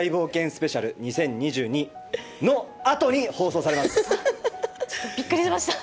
スペシャル２０２２のあとに放送びっくりしました。